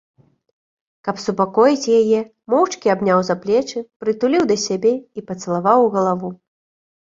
Каб супакоіць яе, моўчкі абняў за плечы, прытуліў да сябе і пацалаваў у галаву.